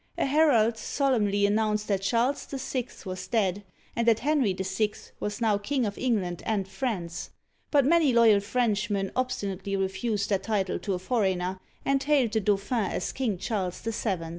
A herald solemnly announced that Charles VI. was dead, and that Henry VI. was now King of England and France; but many loyal Frenchmen obstinately re fused that title to a foreigner, and hailed the Dauphin as King Charles VII.